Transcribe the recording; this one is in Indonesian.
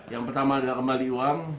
yang pertama adalah kembali uang